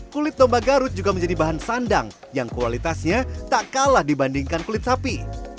kulit domba garut juga menjadi bahan sandang yang kualitasnya tak kalah dibandingkan kulit sapi